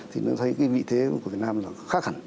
thì nó thấy cái vị thế của việt nam là khác hẳn